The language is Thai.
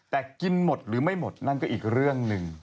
แต่กินหมดหรือไม่หมดนั่นก็อีกเรื่องหนึ่ง